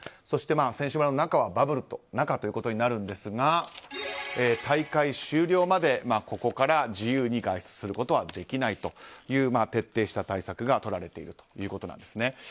そして選手村の中はバブルと中ということになるんですが大会終了までここから自由に外出することはできないという徹底した対策がとられているということです。